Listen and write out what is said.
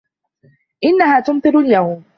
آنها تمطر اليوم.